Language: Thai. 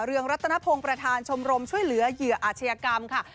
เรืองรัตนพงศ์ประธานชมรมช่วยเหลือเหยื่ออาชญากรรมค่ะ